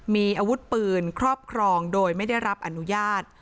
มีอาวุธปืนครอบครองโดยไม่ได้รับอนุญาต